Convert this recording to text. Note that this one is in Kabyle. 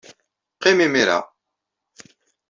Qqim imir-a.